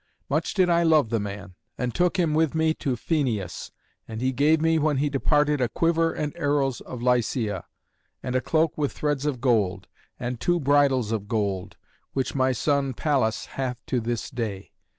Much did I love the man, and took him with me to Pheneus. And he gave me when he departed a quiver and arrows of Lycia, and a cloak with threads of gold, and two bridles of gold, which my son Pallas hath to this day.